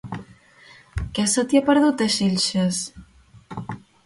Què se t'hi ha perdut, a Xilxes?